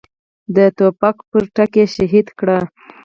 د توپ پر ډز یې شهید کړ.